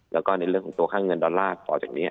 แล้วก็ในเรื่องของตัวค่าเงินดอลลาร์ต่อจากนี้